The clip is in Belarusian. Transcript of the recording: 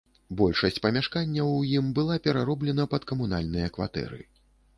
Большасць памяшканняў у ім была перароблена пад камунальныя кватэры.